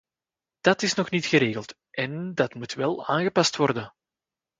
Dat is nog niet geregeld en dat moet wel aangepast worden.